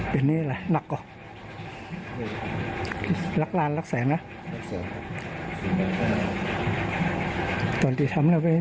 ก็ช่วยนิดหนึ่งครับ